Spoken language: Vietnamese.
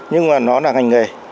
nhưng mà nó là ngành nghề